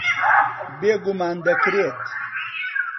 بێگومان دەکرێت.